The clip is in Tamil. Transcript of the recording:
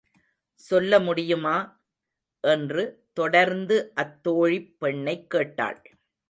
சொல்ல முடியுமா? என்று தொடர்ந்து அத்தோழிப் பெண் கேட்டாள்.